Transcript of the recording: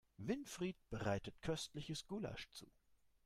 Winfried bereitet köstliches Gulasch zu.